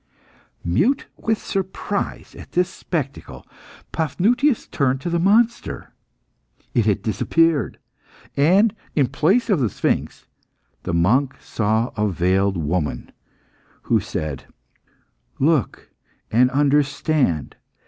Mute with surprise at this spectacle, Paphnutius turned to the monster. It had disappeared, and, in place of the sphinx, the monk saw a veiled woman, who said "Look and understand.